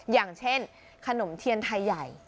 อย่างเช่นขนมเทียนไทยใหญ่